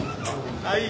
はい。